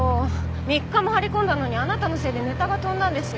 ３日も張り込んだのにあなたのせいでネタが飛んだんですよ？